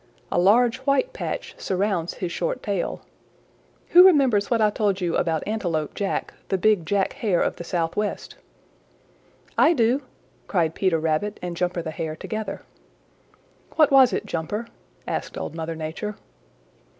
A large white patch surrounds his short tail. Who remembers what I told you about Antelope Jack, the big Jack Hare of the Southwest?" "I do!" cried Peter Rabbit and Jumper the Hare together. "What was it, Jumper?" asked Old Mother Nature.